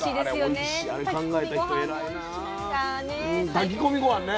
炊き込みごはんね